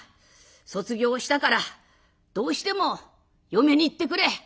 卒業したからどうしても嫁に行ってくれ。